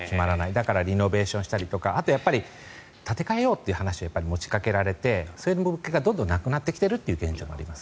だからリノベーションしたりとかあとは建て替えようという話を持ちかけられてそういう物件がどんどんなくなっている現状があります。